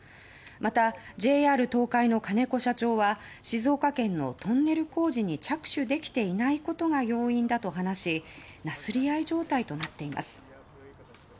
また、ＪＲ東海の金子社長は静岡県のトンネル工事に着手できていないことが要因だと話しなすり合い状態となっています。